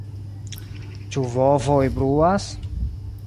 Ĉu bovoj bruas?